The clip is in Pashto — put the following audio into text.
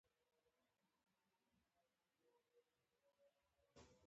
ښوروا له سادهو اجزاوو نه ارزښتمنه پايله لري.